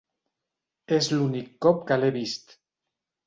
És l'únic cop que l'he vist.